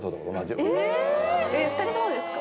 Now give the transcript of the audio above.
えっ２人ともですか？